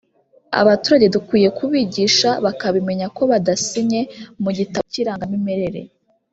Abaturage dukwiye kubigisha bakabimenya ko badasinye mu gitabo cy’irangamimerere